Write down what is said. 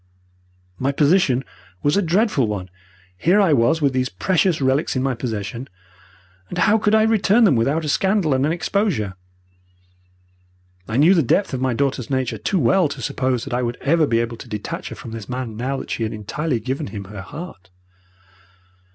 "My position was a dreadful one. Here I was with these precious relics in my possession, and how could I return them without a scandal and an exposure? I knew the depth of my daughter's nature too well to suppose that I would ever be able to detach her from this man now that she had entirely given him her heart.